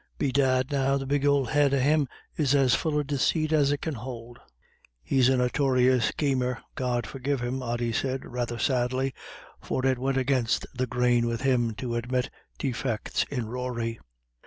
Bedad, now the big ould head of him is as full of desate as it can hould." "He's a notorious schemer, God forgive him," Ody said, rather sadly, for it went against the grain with him to admit defects in Rory.